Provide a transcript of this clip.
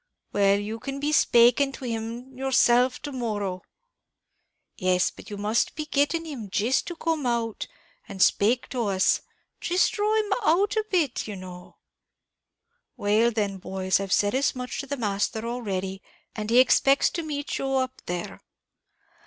"Well, you can be spaking to him yourself to morrow." "Yes, but you must be getting him jist to come out, and spake to us; jist dhraw him out a bit, you know." "Well then, boys, I've said as much to the Masther already, and he expects to meet you up there."